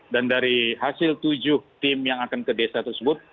dan dari hasil tujuh tim yang akan ke desa tersebut